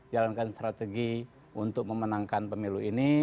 jalankan strategi untuk memenangkan pemilu ini